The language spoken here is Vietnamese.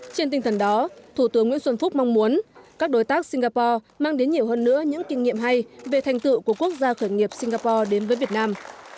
trên tinh thần đó thủ tướng nguyễn xuân phúc mong muốn các đối tác singapore mang đến nhiều hơn nữa những kinh nghiệm hay về thành tựu của quốc gia khởi nghiệp singapore đến với việt nam